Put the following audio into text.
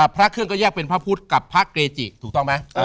พระเครื่องก็แยกเป็นพระพุทธกับพระเกจิถูกต้องไหม